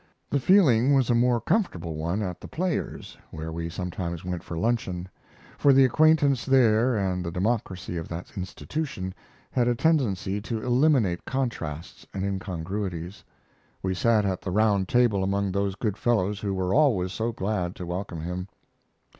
The feeling was a more comfortably one at The Players, where we sometimes went for luncheon, for the acquaintance there and the democracy of that institution had a tendency to eliminate contrasts and incongruities. We sat at the Round Table among those good fellows who were always so glad to welcome him.